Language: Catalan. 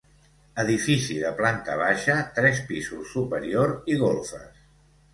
Edifici de planta baixa, tres pisos superior i golfes.